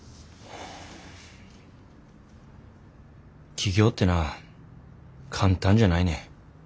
起業ってな簡単じゃないねん。